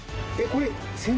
これ。